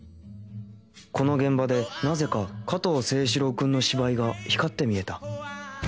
この現場でなぜか加藤清史郎君の芝居が光って見えた